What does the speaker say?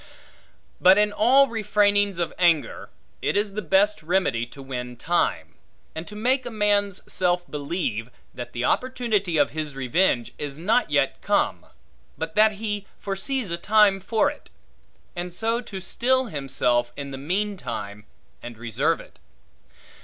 But in all refrainings of anger, it is the best remedy to win time; and to make a man's self believe, that the opportunity of his revenge is not yet come, but that he foresees a time for it; and so to still himself in the meantime, and reserve it.